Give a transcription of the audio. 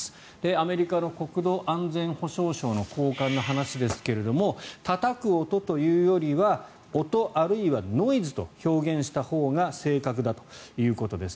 アメリカの国土安全保障省の高官の話ですがたたく音というよりは音、あるいはノイズと表現したほうが正確だということです。